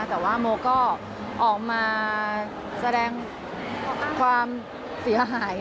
แต่ว่าโมก็ออกมาแสดงความเสียหาย